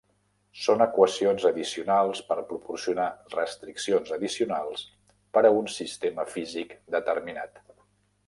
Són equacions addicionals per proporcionar restriccions addicionals per a un sistema físic determinat.